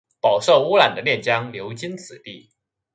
饱受污染的练江流经此地。